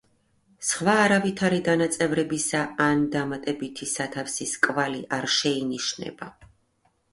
სხვა არავითარი დანაწევრებისა ან დამატებითი სათავსის კვალი არ შეინიშნება.